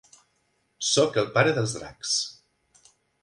Soc el pare dels dracs.